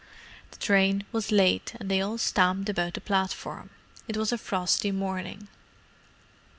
The train was late, and they all stamped about the platform—it was a frosty morning.